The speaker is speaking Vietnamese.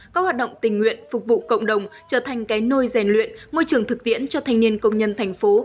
các hoạt động tình nguyện phục vụ cộng đồng trở thành cái nôi rèn luyện môi trường thực tiễn cho thanh niên công nhân thành phố